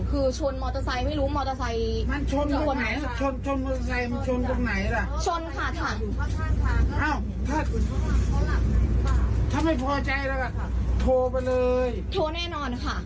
คือชนมอเตอร์ไซค์ไม่รู้มอเตอร์ไซค์